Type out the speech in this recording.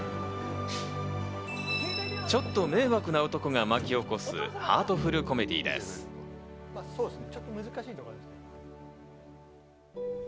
ちょっと迷惑な男が巻き起こすハートフルコメディーです。